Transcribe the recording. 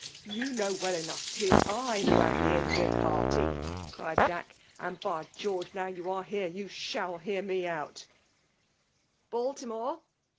you know well enov^h 'tk I win am the injured party, cried Jack ;*' and, hy Cteorge, now you are here, yoa aiiall hear me out r " Baltimore!